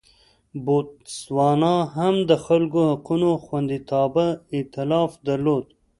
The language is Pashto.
بوتسوانا هم د خلکو حقونو خوندیتابه اېتلاف درلود.